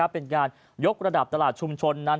เป็นการยกระดับตลาดชุมชนนั้น